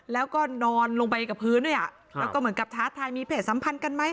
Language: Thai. แล้วก็นอนลงไปกับพื้นด้วยอ่ะแล้วก็เหมือนกับท้าทายมีเพศสัมพันธ์กันไหม